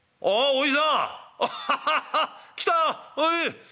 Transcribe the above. おい。